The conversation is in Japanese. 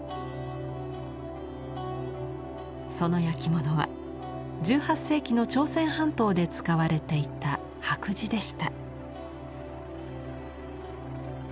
その焼き物は１８世紀の朝鮮半島で使われていた白磁でした。